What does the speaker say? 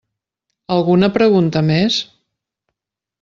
Alguna pregunta més?